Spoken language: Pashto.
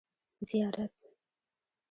زيارت